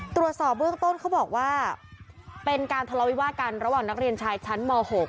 ตรวจสอบเบื้องต้นเขาบอกว่าเป็นการทะเลาวิวาสกันระหว่างนักเรียนชายชั้นม๖